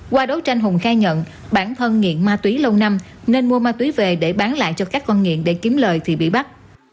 qua đấu tranh hùng khai nhận bản thân nghiện ma túy lâu năm nên mua ma túy về để bán lại cho các con nghiện để kiếm lời thì bị bắt